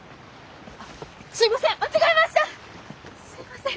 あっすいません！